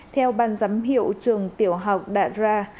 theo bàn giám hiệu trường tiểu học đạt ra